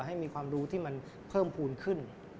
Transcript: ให้มีความรู้ที่มันเพิ่มภูมิขึ้น